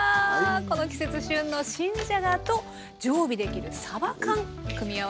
この季節旬の新じゃがと常備できるさば缶組み合わせたグラタンです。